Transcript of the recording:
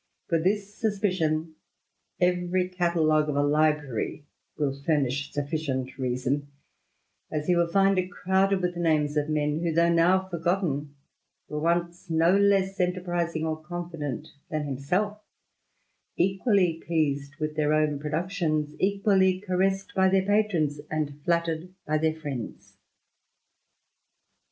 For this suspicion, every catalogue of a library will furnish sufficient reason ; as he wiU find it crowded with names of men who, though now forgotten, were once no less enterprising or confident than himself, equally pleased with their own productions, equally caressed by theic patrons, and flattered by their friends.